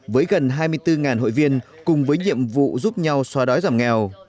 với gần hai mươi bốn hội viên cùng với nhiệm vụ giúp nhau xóa đói giảm nghèo